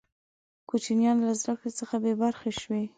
کوچنیان له زده کړي څخه بې برخې شوې.